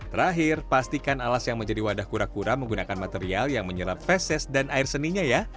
terakhir pastikan alas yang menjadi wadah kura kura menggunakan material yang menyerap fesis dan air seninya ya